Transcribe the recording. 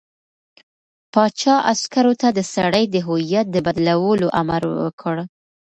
پاچا عسکرو ته د سړي د هویت د بدلولو امر وکړ.